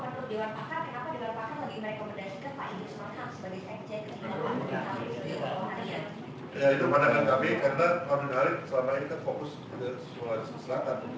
tapi kalau menurut dewan pakar kenapa dewan pakar mengimrekomendasikan pak hidup semangat sebagai seorang pemerintah